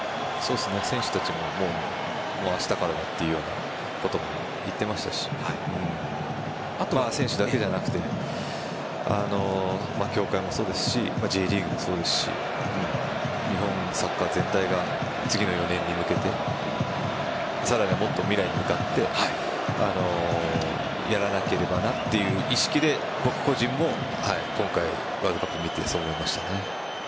選手たちも明日からだというようなことも言っていましたし選手だけじゃなくて協会もそうですしＪリーグもそうですし日本サッカー全体が次の４年に向けてさらにはもっと未来に向かってやらなければなという意識で僕個人も今回、ワールドカップを見てそう思いましたね。